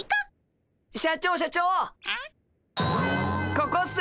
ここっす。